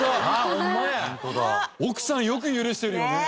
奥さんよく許してるよね。